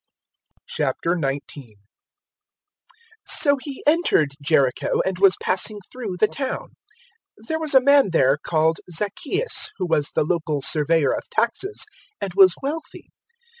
019:001 So He entered Jericho and was passing through the town. 019:002 There was a man there called Zacchaeus, who was the local surveyor of taxes, and was wealthy.